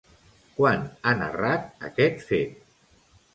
Quan ha narrat aquest fet?